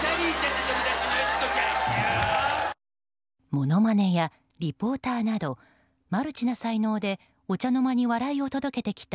ものまねやリポーターなどマルチな才能でお茶の間に笑いを届けてきた